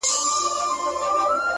که دې د سترگو له سکروټو نه فناه واخلمه،